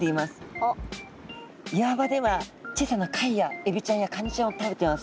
岩場では小さな貝やエビちゃんやカニちゃんを食べてます。